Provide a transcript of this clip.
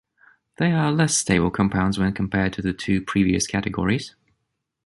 They are less stable compounds when compared to the two previous categories.